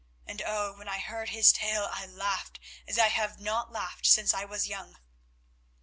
And oh! when I heard his tale I laughed as I have not laughed since I was young."